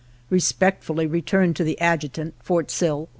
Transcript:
Respectfully returned to the Adjutant, Fort Sill, O.